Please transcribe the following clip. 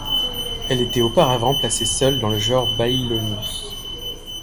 Elle était auparavant placée seule dans le genre Baillonius.